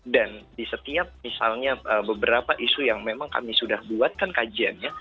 di setiap misalnya beberapa isu yang memang kami sudah buatkan kajiannya